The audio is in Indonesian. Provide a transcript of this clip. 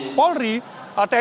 baik kepolisian maupun juga polri